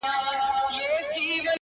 دکرنتین درخصتی څخه په استفاده!!